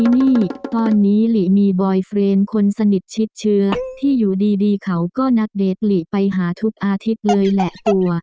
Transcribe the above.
นี่ตอนนี้หลีมีบอยเฟรนด์คนสนิทชิดเชื้อที่อยู่ดีเขาก็นัดเดทหลีไปหาทุกอาทิตย์เลยแหละกลัว